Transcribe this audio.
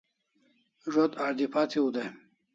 Zo't hardiphat hiu dai